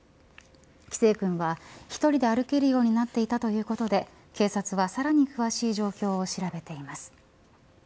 輝星君は１人で歩けるようになっていたということで警察はさらに詳しい状況を調べています。